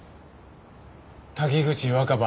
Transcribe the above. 滝口若葉。